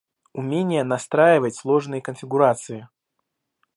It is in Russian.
Умение настраивать сложные конфигурации